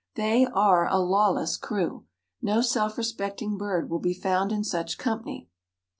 They are a lawless crew. No self respecting bird will be found in such company."